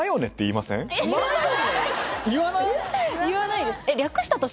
言わないですいや